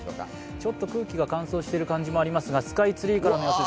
ちょっと空気が乾燥している感じもありますが、スカイツリーからの。